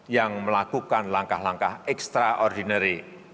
yang melakukan langkah langkah ekstraordinary